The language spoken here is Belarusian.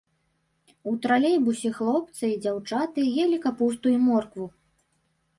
У тралейбусе хлопцы і дзяўчаты елі капусту і моркву.